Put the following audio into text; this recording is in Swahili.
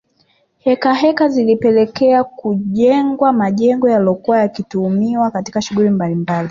Heka heka zilipelekea kujengwa majengo yaliyokuwa yakitumiwa katika shughuli mbalimbali